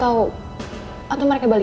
kamu sudah putus atau mereka balik